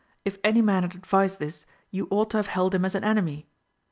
if any man had advised this you ought to have held him as an enemy